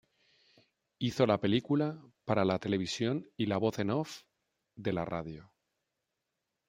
Hizo la película para la televisión y la voz en off de la radio.